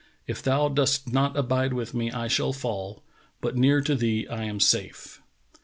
If Thou dost not abide with me, I shall fall. But near to Thee I am safe.'